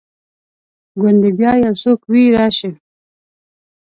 ګوندي بیا یو څوک وي راشي